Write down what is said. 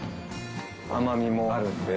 甘みもあるんで。